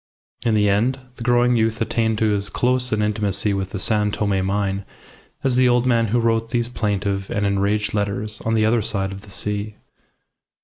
In the end, the growing youth attained to as close an intimacy with the San Tome mine as the old man who wrote these plaintive and enraged letters on the other side of the sea.